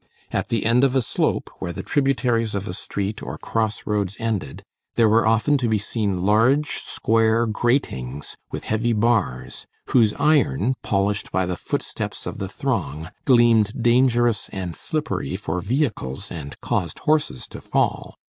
At the end of a slope, where the tributaries of a street or crossroads ended, there were often to be seen large, square gratings with heavy bars, whose iron, polished by the footsteps of the throng, gleamed dangerous and slippery for vehicles, and caused horses to fall.